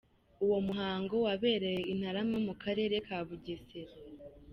Uwo muhango wabereye i Ntarama mu Karere ka Bugesera.